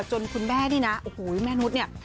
คุณแม่นี่นะโอ้โหแม่นุษย์เนี่ย